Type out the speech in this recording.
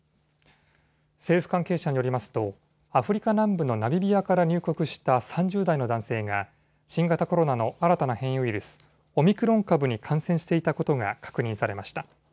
政府関係者によりますとアフリカ南部のナミビアから入国した３０代の男性が新型コロナの新たな変異ウイルス、オミクロン株に感染していたことが確認されました。